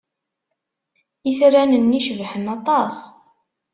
Itran-nni cebḥen aṭas!